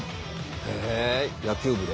へえ野球部で？